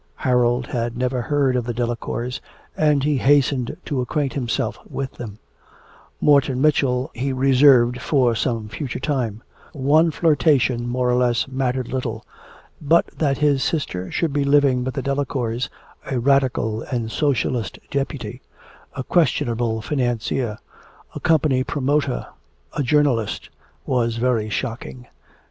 Harold had never heard of the Delacours, and he hastened to acquaint himself with them; Morton Mitchell he reserved for some future time; one flirtation more or less mattered little; but that his sister should be living with the Delacours, a radical and socialist deputy, a questionable financier, a company promoter, a journalist, was very shocking.